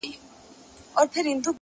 پرمختګ د عادتونو له بدلون پیلېږي.